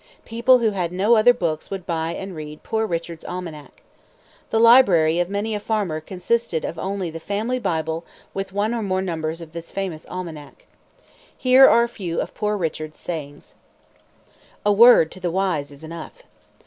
People who had no other books would buy and read Poor Richard's Almanac. The library of many a farmer consisted of only the family Bible with one or more numbers of this famous almanac. Here are a few of Poor Richard's sayings: "A word to the wise is enough."